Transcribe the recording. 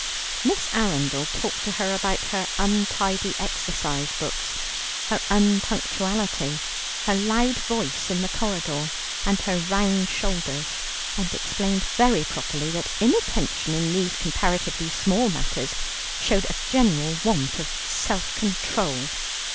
Miss Arundel talked to her about her untidy exercise books, her unpunctuality, her loud voice in the corridor, and her round shoulders, and explained very properly that inattention in these comparatively small matters showed a general want of self control.